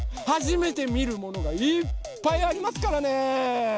はじめてみるものがいっぱいありますからね！